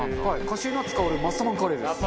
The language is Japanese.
カシューナッツ香るマッサマンカレーです。